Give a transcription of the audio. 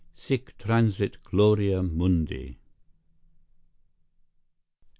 Sic transit gloria mundi!"